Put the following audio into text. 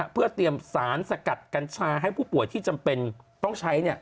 เพื่อเตรียมสารสกัดกัญชาให้ผู้ป่วยที่จำเป็นต้องใช้